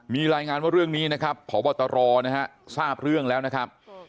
มีรายงานว่าเรื่องนี้นะครับพบตรนะฮะทราบเรื่องแล้วนะครับ